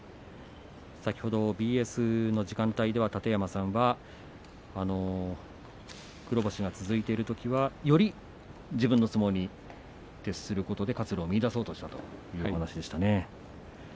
先ほどＢＳの時間帯では楯山さんは黒星が続いているときはより自分の相撲に徹することで活路を見いだそうとしようと話していました。